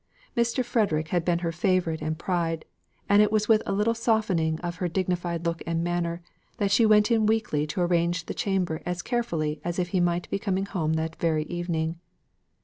Master Frederick had been her favourite and pride; and it was with a little softening of her dignified look and manner, that she went in weekly to arrange the chamber as carefully as if he might be coming home that very evening.